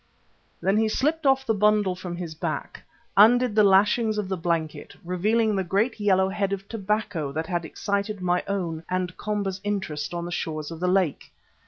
Then he slipped off the bundle from his back, undid the lashings of the blanket, revealing the great yellow head of tobacco that had excited my own and Komba's interest on the shores of the lake.